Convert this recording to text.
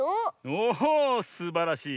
おすばらしい。